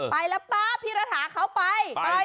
ไปแล้วป๊าบพี่ระถาเขาไป